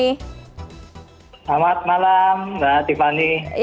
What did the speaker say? selamat malam mbak tiffany